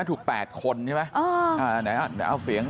ถูก๘คนใช่ไหม